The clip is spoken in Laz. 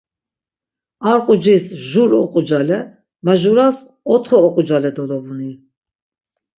Ar qucis jur oqucale, majuras otxo oqucale dolobuni?